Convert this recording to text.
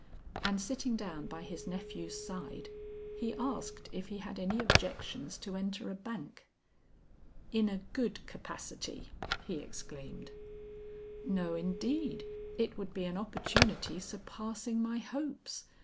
And sitting down by his nephew's side, he asked if he had any objections to enter a bank. "In a good capacity," he exclaimed. "No indeed; it would be an opportunity surpassing my hopes.